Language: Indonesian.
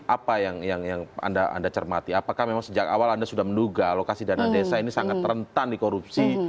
apa yang anda cermati apakah memang sejak awal anda sudah menduga alokasi dana desa ini sangat rentan di korupsi